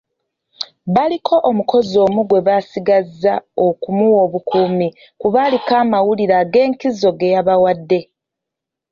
Baliko omukozi omu gwe basigaza okumuwa obukuumi kuba aliko amawulire ag'enkizo ge yabawadde.